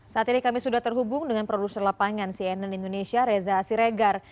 saat ini kami sudah terhubung dengan produser lapangan cnn indonesia reza siregar